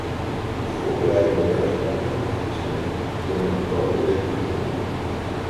De voorbereidende werkzaamheden voor de verkiezingen kunnen in de komende weken beginnen.